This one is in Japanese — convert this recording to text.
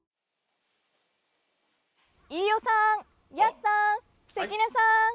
飯尾さんやすさん関根さん。